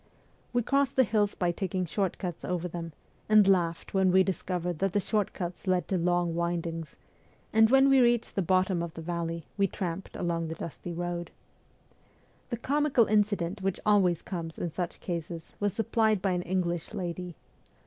We crossed the hills by taking short cuts over them, and laughed when we discovered that the short cuts led to long windings ; and when we reached the bottom of the valley, we tramped along the dusty road. The comical incident which always comes in such cases was supplied by an English lady.